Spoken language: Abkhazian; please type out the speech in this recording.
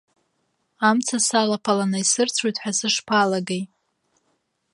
Амца салаԥаланы исырцәоит ҳәа сышԥалагеи.